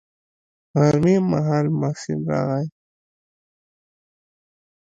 غرمې مهال محسن راغى.